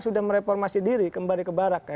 sudah mereformasi diri kembali ke barak ya